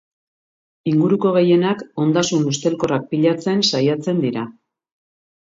Inguruko gehienak ondasun ustelkorrak pilatzen saiatzen dira.